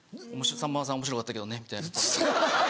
「さんまさんおもしろかったけどね」みたいな。